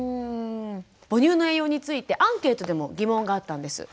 母乳の栄養についてアンケートでも疑問があったんです。